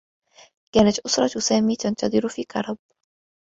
كانت أسرة سامي تنتظر في كرب.